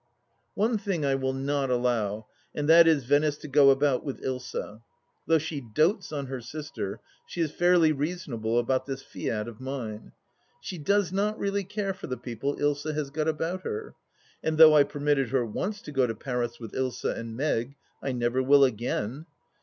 One thing I will not allow, and that is Venice to go about with Ilsa. Though she dotes on her sister, she is fairly reasonable about this fiat of mine ; she does not really care for the people Ilsa has got about her. And though I per mitted her once to go to Paris with Ilsa and Meg I never will again.